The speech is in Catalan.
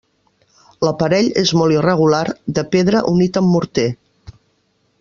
L'aparell és molt irregular, de pedra unit amb morter.